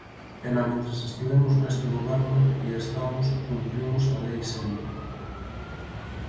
E namentres estivemos neste goberno e estamos cumprimos a lei sempre.